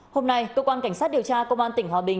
hôm nay cơ quan cảnh sát điều tra công an tỉnh hòa bình